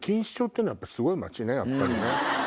やっぱりね。